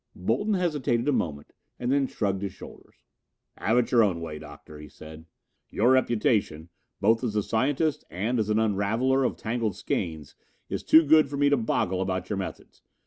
Bolton hesitated a moment and then shrugged his shoulders. "Have it your own way, Doctor," he said. "Your reputation, both as a scientist and as an unraveller of tangled skeins, is too good for me to boggle about your methods.